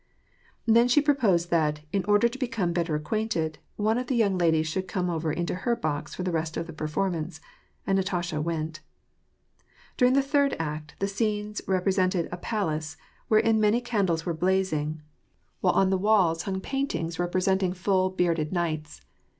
Then she proposed that, in order to become better acquainted, one of the young ladies should come over into her box for the rest of the performance, and Natasha went. During the third act the scene represented a palace, wherein many candles were blazing, while on the walls hung paintings WAtt ANb P^Ace, §45 representing full bearded knights.